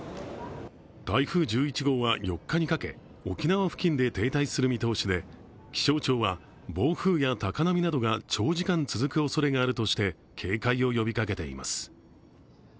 台風１１号は４日にかけ沖縄付近で停滞する見通しで気象庁は暴風や高波などが長時間続くおそれがあるとして警戒を呼びかけています。